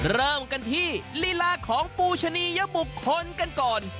เริ่มกันที่ลีลาของปูชนียบุคคลกันก่อน